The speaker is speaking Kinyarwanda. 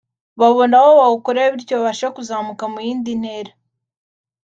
babona aho bawukorera bityo babashe kuzamuka mu yindi ntera